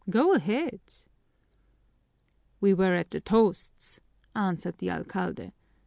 Go ahead!" "We were at the toasts," answered the alcalde.